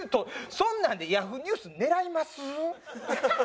そんなんでＹａｈｏｏ！ニュース狙います？